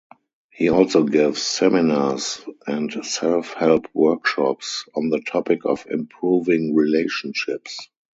He also gives seminars and self-help workshops on the topic of improving relationships.